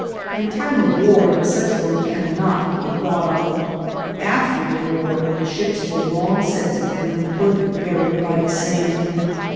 In time of war such work cannot be thought of; after the war the ships will long since have been completely buried by the sand.